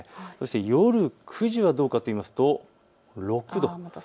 夜９時はどうかといいますと６度。